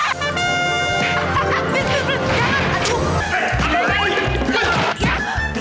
eh apa yang kamu bikin